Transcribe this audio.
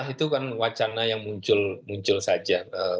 itu kan wacana yang muncul saja